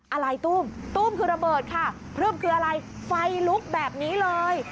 อะไรตู้มตุ้มคือระเบิดค่ะพลึ่มคืออะไรไฟลุกแบบนี้เลย